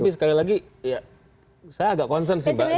tapi sekali lagi saya agak concern sih mbak